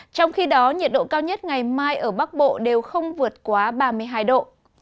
trong khi đó nhiệt độ cao nhất ngày mai ở bắc bộ đều không vượt quá ba mươi hai độ